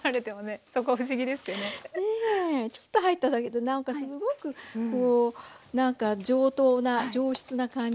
ねえちょっと入っただけで何かすごく上等な上質な感じよね。